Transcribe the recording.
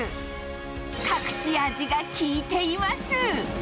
隠し味が効いています。